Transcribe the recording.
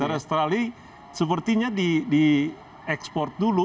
dari australia sepertinya di ekspor dulu